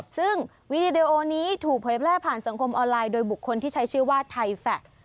ซึ่งวีดีโอนี้ถูกเผยแพร่ผ่านสังคมออนไลน์โดยบุคคลที่ใช้ชื่อว่าไทแฟค